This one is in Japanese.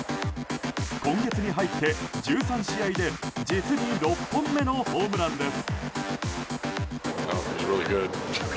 今月に入って１３試合で実に６本目のホームランです。